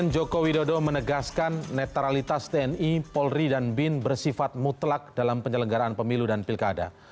joko widodo menegaskan netralitas tni polri dan bin bersifat mutlak dalam penyelenggaraan pemilu dan pilkada